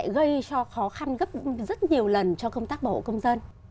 gây cho khó khăn gấp rất nhiều lần cho công tác bảo hộ công dân